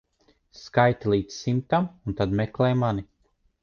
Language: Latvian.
Skaiti līdz simtam un tad meklē mani.